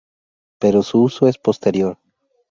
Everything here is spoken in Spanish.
Pero su uso es posterior.